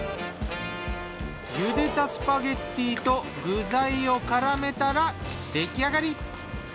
茹でたスパゲッティと具材を絡めたら出来上がり。